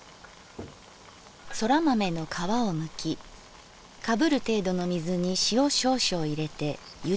「そら豆の皮をむきかぶる程度の水に塩少々入れてゆでておく」。